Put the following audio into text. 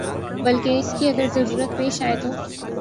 بلکہ اس کی اگر ضرورت پیش آئے تو